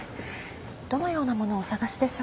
どのようなものをお探しでしょうか。